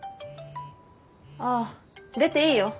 ああ出ていいよ。